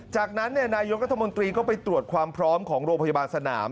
จากนั้นนายกรัฐมนตรีก็ไปตรวจความพร้อมของโรงพยาบาลสนาม